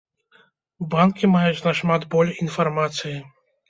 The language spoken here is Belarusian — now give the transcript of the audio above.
Банкі маюць нашмат боль інфармацыі.